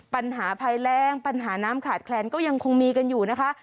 ปัญหาภัยแรงปัญหาน้ำขาดแคลนก็ยังคงมีกันอยู่นะคะ